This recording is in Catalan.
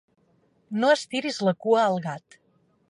No estiris la cua al gat.